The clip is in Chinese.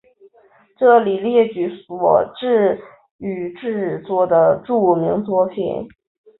这里列举所参与制作的著名作品。